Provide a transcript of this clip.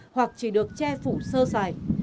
hoặc chỉ được che phủ sơ xài